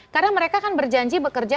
karena mereka kan berjanji bekerja